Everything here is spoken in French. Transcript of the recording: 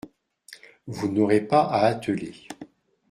Vous n’aurez pas à atteler.